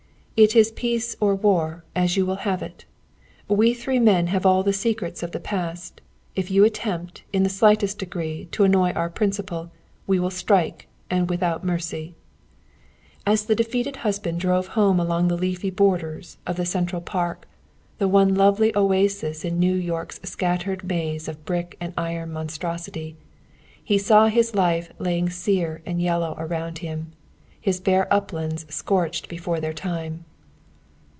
"It is peace or war, as you will have it! We three men have all the secrets of the past. If you attempt, in the slightest degree, to annoy our principal, we will strike, and without mercy." As the defeated husband drove home along the leafy borders of the beautiful Central Park the one lovely oasis in New York's scattered maze of brick and iron monstrosity he saw his life lying sere and yellow around him, his bare uplands scorched before their time.